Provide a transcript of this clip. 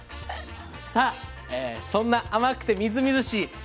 さあそんな甘くてみずみずしい